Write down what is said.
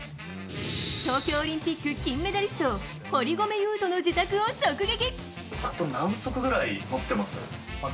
東京オリンピック金メダリスト堀米雄斗の自宅を直撃。